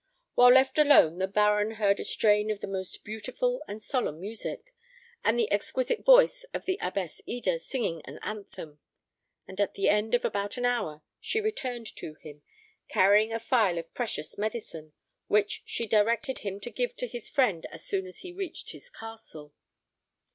"While left alone the baron heard a strain of the most beautiful and solemn music, and the exquisite voice of the Abbess Eda singing an anthem; and at the end of about an hour she returned to him, carrying a phial of precious medicine, which she directed him to give to his friend as soon as he reached his castle.